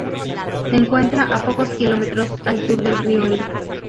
Se encuentra a pocos kilómetros al sur del río Elba.